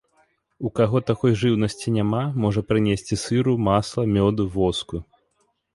У каго такой жыўнасці няма, можа прынесці сыру, масла, мёду, воску.